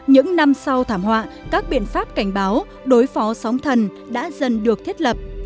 những năm sau thảm họa các biện pháp cảnh báo đối phó sóng thần đã dần được thiết lập